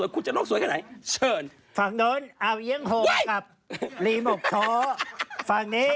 ฝั่งโดนเอาเยี่ยงห่วงกับรีบมกโถฝ่างหนึ่งชัยผิด